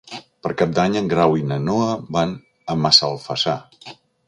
Per Cap d'Any en Grau i na Noa van a Massalfassar.